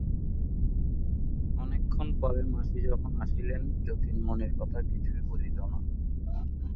অনেকক্ষণ পরে মাসি যখন আসিলেন যতীন মণির কথা কিছুই বলিল না।